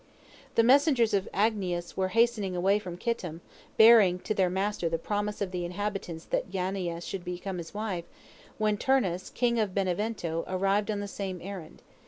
The messengers of Agnias were hastening away from Kittim, bearing to their master the promise of the inhabitants that Yaniah should become his wife, when Turnus, king of Benevento, arrived on the same errand.